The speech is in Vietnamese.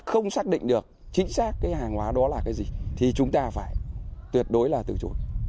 không xác định được chính xác cái hàng hóa đó là cái gì thì chúng ta phải tuyệt đối là từ chối